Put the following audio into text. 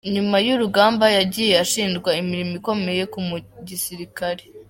Nyuma y'urugamba yagiye ashingwa imirimo ikomeye mu gisirikare.